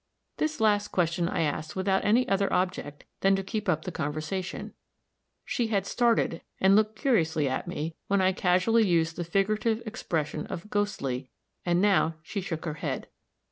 This last question I asked without any other object than to keep up the conversation; she had started and looked curiously at me, when I casually used the figurative expression of "ghostly," and now she shook her head.